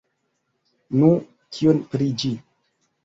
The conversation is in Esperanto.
Nu, kion pri ĝi?